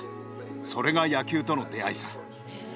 それが野球との出会いさ。